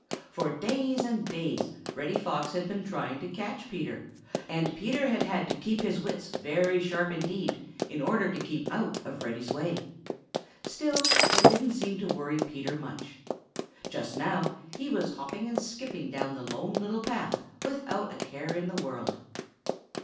For days and days Reddy Fox had been trying to catch Peter, and Peter had had to keep his wits very sharp indeed in order to keep out of Reddy's way. Still, it didn't seem to worry Peter much. Just now he was hopping and skipping down the Lone Little Path without a care in the world.